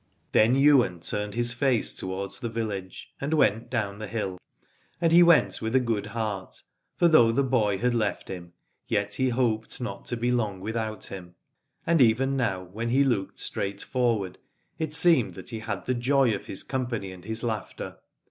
Then Ywain turned his face towards the village, and went down the hill : and he went with a good heart, for though the boy had left him, yet he hoped not to be long without him, and even now when he looked straight forward it seemed that he had the joy of his company and his laughter.